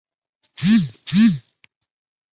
介子推割股的史实也存在争议。